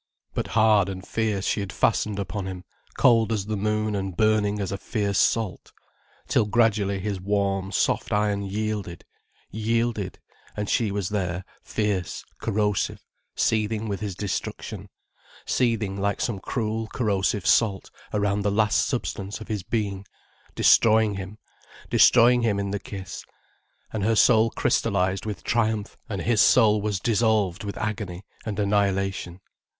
But hard and fierce she had fastened upon him, cold as the moon and burning as a fierce salt. Till gradually his warm, soft iron yielded, yielded, and she was there fierce, corrosive, seething with his destruction, seething like some cruel, corrosive salt around the last substance of his being, destroying him, destroying him in the kiss. And her soul crystallized with triumph, and his soul was dissolved with agony and annihilation.